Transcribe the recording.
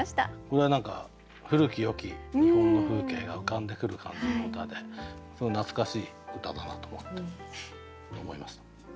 これは何か古きよき日本の風景が浮かんでくる感じの歌ですごい懐かしい歌だなと思いました。